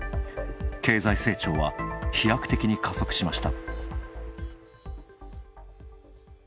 経済成長は飛躍的に加速しました。